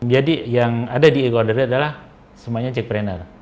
jadi yang ada di e order ini adalah semuanya jakprender